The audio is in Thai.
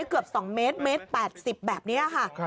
เกือบ๒เมตร๘๐แบบนี้ค่ะ